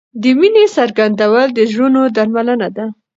د مینې څرګندول د زړونو درملنه ده.